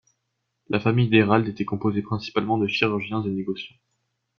La famille d'Héralde était composée principalement de chirurgiens et négociants.